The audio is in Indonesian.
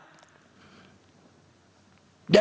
dia memang cita citanya bukan mengetaskan kemiskinan